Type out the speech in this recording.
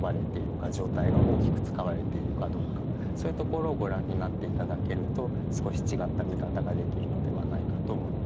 上体が大きく使われているかどうかそういうところをご覧になって頂けると少し違った見方ができるのではないかと思います。